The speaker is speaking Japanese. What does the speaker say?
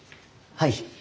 はい。